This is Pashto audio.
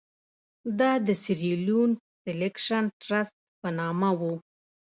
دا د سیریلیون سیلکشن ټرست په نامه وو.